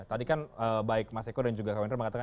tadi kan baik mas eko dan juga kak wendra mengatakan